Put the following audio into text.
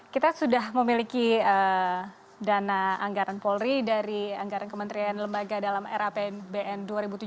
kita sudah memiliki dana anggaran polri dari anggaran kementerian lembaga dalam rapbn dua ribu tujuh belas